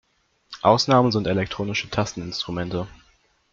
Ausnahmen sind elektronische Tasteninstrumente.